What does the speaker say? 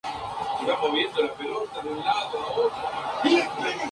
Ella disfruta de realizar costura y yoga.